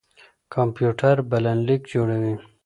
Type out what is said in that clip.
کمپيوټر بلنليک جوړوي.